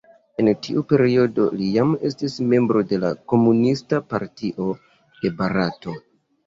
En tiu periodo li jam estis membro de la Komunista Partio de Barato.